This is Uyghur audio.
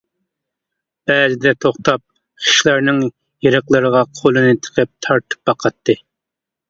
بەزىدە توختاپ خىشلارنىڭ يېرىقلىرىغا قولىنى تىقىپ تارتىپ باقاتتى.